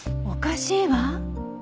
おかしいわ。